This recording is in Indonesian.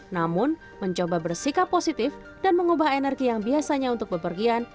namun mencoba bersikap positif dan mengubah energi yang biasanya untuk bepergian